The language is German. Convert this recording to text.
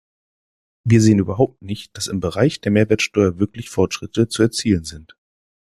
Wir sehen überhaupt nicht, dass im Bereich der Mehrwertsteuer wirklich Fortschritte zu erzielen sind.